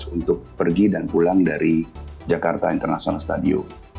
untuk pergi dan pulang dari jakarta international stadium